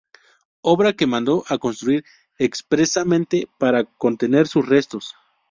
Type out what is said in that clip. Obra que mandó a construir expresamente para contener sus restos.